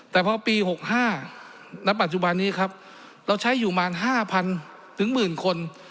แต่พอปี๖๕ณปัจจุบันนี้ครับเราใช้อยู่ประมาณ๕๐๐ถึงหมื่นคน